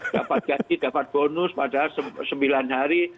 jadi dapat bonus pada sembilan hari